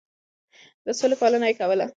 د سولې پالنه يې کوله.